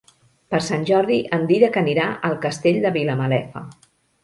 Per Sant Jordi en Dídac anirà al Castell de Vilamalefa.